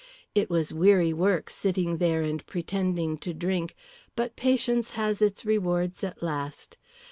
It was weary work sitting there and pretending to drink, but patience has its reward at last.